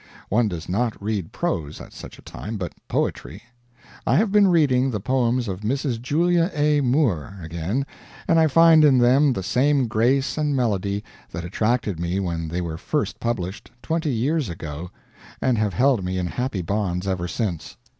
One does not read prose at such a time, but poetry. I have been reading the poems of Mrs. Julia A. Moore, again, and I find in them the same grace and melody that attracted me when they were first published, twenty years ago, and have held me in happy bonds ever since.